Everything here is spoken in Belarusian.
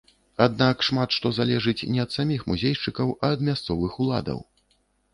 Аднак шмат што залежыць не ад саміх музейшчыкаў, а ад мясцовых уладаў.